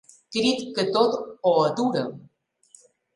Crit que tot ho atura.